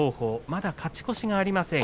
まだ勝ち越しがありません。